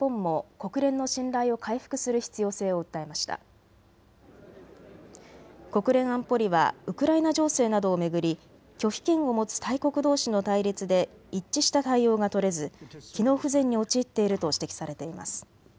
国連安保理はウクライナ情勢などを巡り拒否権を持つ大国どうしの対立で一致した対応が取れず機能不全に陥っていると指摘されています。